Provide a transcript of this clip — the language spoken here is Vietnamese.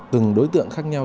từng đối tượng khác nhau